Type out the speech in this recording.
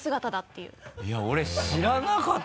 いや俺知らなかった。